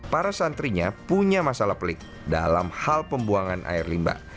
para santrinya punya masalah pelik dalam hal pembuangan air limba